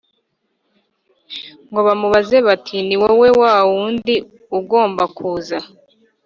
ngo bamubaze bati ni wowe wa Wundi ugomba kuza